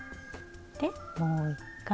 でもう１回。